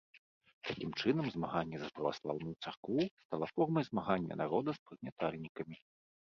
Такім чынам, змаганне за праваслаўную царкву стала формай змагання народа з прыгнятальнікамі.